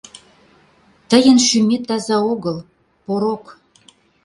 — Тыйын шӱмет таза огыл — порок...